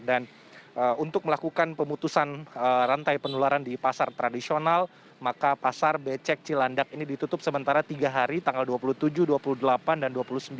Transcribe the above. dan untuk melakukan pemutusan rantai penularan di pasar tradisional maka pasar becek cilandak ini ditutup sementara tiga hari tanggal dua puluh tujuh dua puluh delapan dan dua puluh sembilan